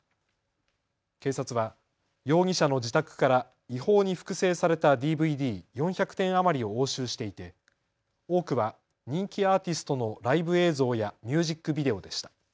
警察は容疑者の自宅から違法に複製されたＤＶＤ４００点余りを押収していて多くは人気アーティストのライブ映像やミュージックビデオでした。